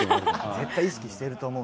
絶対意識してると思う。